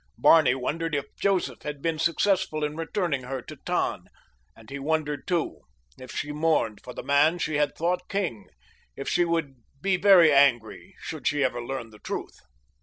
Barney wondered if Joseph had been successful in returning her to Tann, and he wondered, too, if she mourned for the man she had thought king—if she would be very angry should she ever learn the truth.